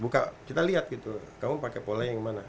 kita liat gitu kamu pakai pola yang mana